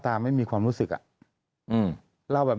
แต่ได้ยินจากคนอื่นแต่ได้ยินจากคนอื่น